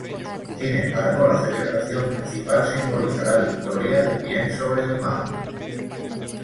Sin embargo la celebración principal simboliza la victoria del bien sobre el mal.